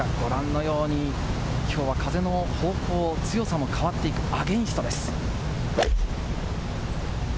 ご覧のように、風の方向、強さも変わっていくアゲンストです。